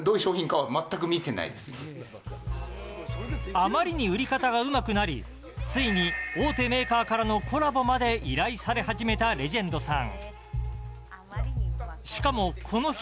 あまりに売り方がうまくなりついに大手メーカーからのコラボまで依頼され始めたレジェンドさん。